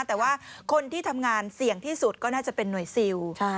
แต่ว่าคนที่ทำงานเสี่ยงที่สุดก็น่าจะเป็นหน่วยซิล